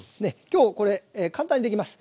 今日これ簡単にできます。